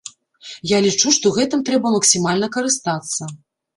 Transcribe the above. Я лічу, што гэтым трэба максімальна карыстацца.